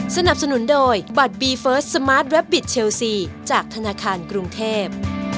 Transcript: สนับสนุนโดยบัตรบีเฟิร์สสมาร์ทแวบบิตเชลซีจากธนาคารกรุงเทพ